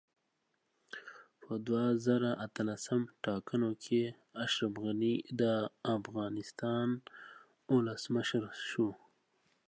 په دوه زره اتلسم ټاکنو کې اشرف غني دا افغانستان اولسمشر شو